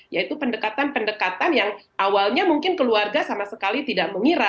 yaitu pendekatan pendekatan yang awalnya mungkin keluarga sama sekali tidak mengira